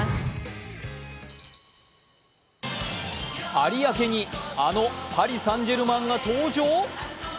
有明にあのパリ・サン＝ジェルマンが登場？